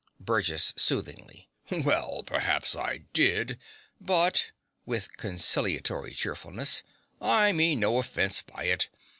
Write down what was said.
BURGESS (soothingly). Well, perhaps I did; but (with conciliatory cheerfulness) I meant no offence by it.